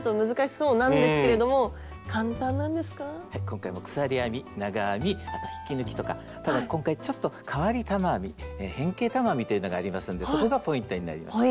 今回も鎖編み長編みあと引き抜きとかただ今回ちょっと変わり玉編み変形玉編みというのがありますのでそこがポイントになります。